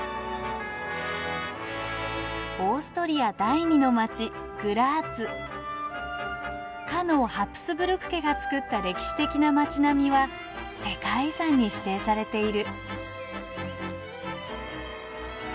オーストリア第二の街かのハプスブルク家がつくった歴史的な町並みは世界遺産に指定されている。